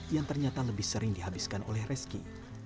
yang ternyata lebih sering dihabiskan oleh reski